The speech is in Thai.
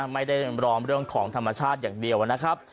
ไม่ได้รอมเรื่องของธรรมชาติอย่างเดียวนะครับ